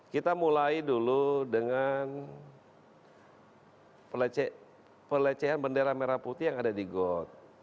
kita mulai dulu dengan pelecehan bendera merah putih yang ada di got